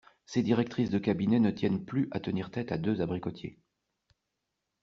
Ces directrices de cabinet ne tiennent plus à tenir tête à deux abricotiers.